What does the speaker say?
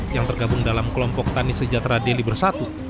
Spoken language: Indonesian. yang tergabung dalam kelompok tani sejahtera deli bersatu